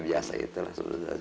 biasa gitu lah